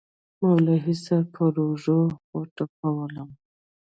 مولوي صاحب پر اوږه وټپولوم.